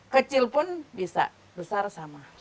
kecil pun bisa besar sama